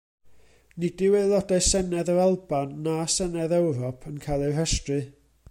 Nid yw Aelodau Senedd yr Alban na Senedd Ewrop yn cael eu rhestru.